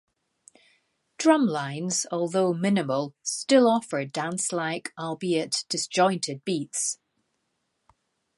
Drumlines, although minimal, still offer dance-like, albeit disjointed, beats.